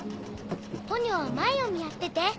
ポニョは前を見張ってて。